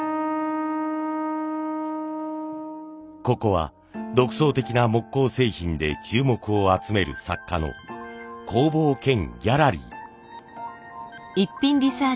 ここは独創的な木工製品で注目を集める作家の工房兼ギャラリー。